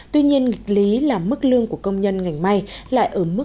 tuy nhiên nghịch lý là mức lương của công nhân ngành may lại ở mức khá thấp so với nhiều ngành nghề